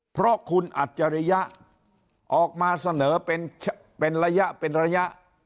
เพราะคุณอัจฉริยะออกมาเสนอเป็นระยะเป็นระยะ